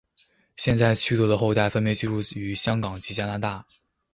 现在区德的后代分别居住于香港及加拿大。